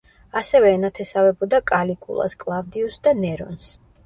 ასევე ენათესავებოდა კალიგულას, კლავდიუსს და ნერონს.